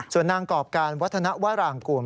ส่วนนางกรอบการวัฒนวรางกูล